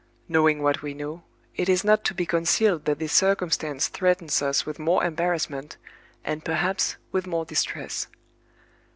"Knowing what we know, it is not to be concealed that this circumstance threatens us with more embarrassment, and perhaps with more distress.